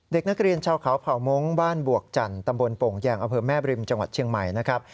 เด็กนักเรียนชาวเขาเผ่ามงค์บ้านบวกจันทร์ตำบลโป่งแยงอำเภอแม่บริมจังหวัดเชียงใหม่นะครับ